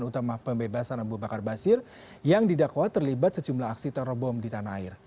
dan utama pembebasan abu bakar ba'asir yang didakwa terlibat sejumlah aksi terobom di tanah air